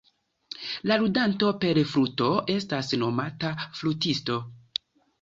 La ludanto per fluto estas nomata flutisto.